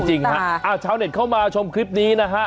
จริงฮะชาวเน็ตเข้ามาชมคลิปนี้นะฮะ